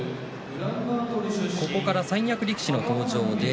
ここから三役力士の登場です。